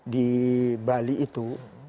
di bali itu